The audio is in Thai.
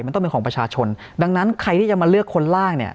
มันต้องเป็นของประชาชนดังนั้นใครที่จะมาเลือกคนล่างเนี่ย